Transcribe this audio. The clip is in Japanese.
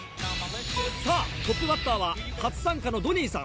さぁトップバッターは初参加のドニーさん。